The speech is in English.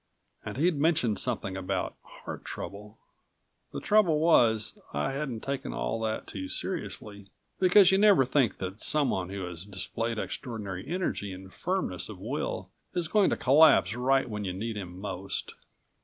And he'd mentioned something about heart trouble The trouble was, I hadn't taken all that too seriously, because you never think that someone who has displayed extraordinary energy and firmness of will is going to collapse right when you need him most.